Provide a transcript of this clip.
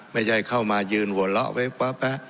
ไม่ใช่เข้าเท่ะยืนหัวเราะ